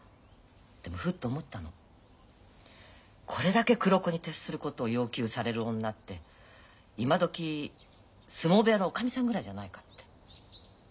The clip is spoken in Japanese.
でもふっと思ったのこれだけ黒子に徹することを要求される女って今どき相撲部屋のおかみさんぐらいじゃないかって。